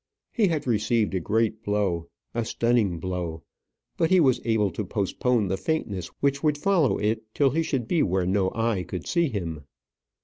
He had received a great blow, a stunning blow; but he was able to postpone the faintness which would follow it till he should be where no eye could see him.